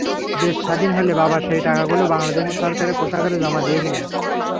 দেশ স্বাধীন হলে বাবা সেই টাকাগুলো বাংলাদেশ সরকারের কোষাগারে জমা দিয়েছিলেন।